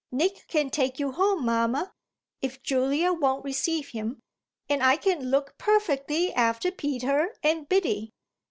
"Nick can take you home, mamma, if Julia won't receive him, and I can look perfectly after Peter and Biddy."